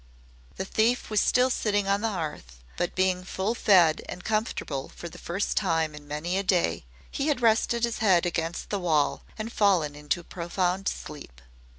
The thief was still sitting on the hearth, but being full fed and comfortable for the first time in many a day, he had rested his head against the wall and fallen into profound sleep.